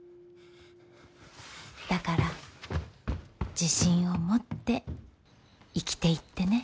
「だから自信を持って生きて行ってね」。